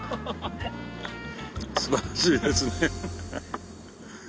素晴らしいですね。